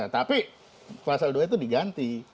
tapi pasal dua itu diganti